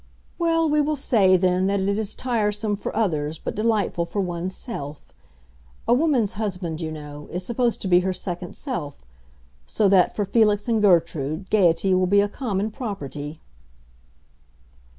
"Well, we will say, then, that it is tiresome for others but delightful for one's self. A woman's husband, you know, is supposed to be her second self; so that, for Felix and Gertrude, gaiety will be a common property."